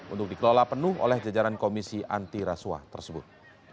untuk dikelola penuh oleh jajaran komisi anti rasuah tersebut